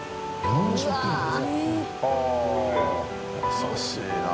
優しいな。